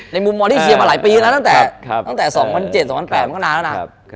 มุมมองที่เชียร์มาหลายปีแล้วตั้งแต่๒๐๐๗๒๐๐๘มันก็นานแล้วนะ